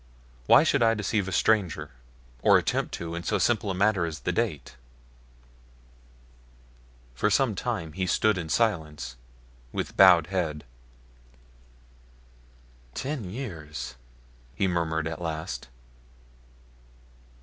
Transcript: "Why should I deceive a stranger, or attempt to, in so simple a matter as the date?" For some time he stood in silence, with bowed head. "Ten years!" he murmured, at last.